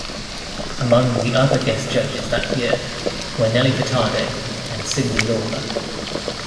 Among the other guest judges that year were Nelly Furtado and Cyndi Lauper.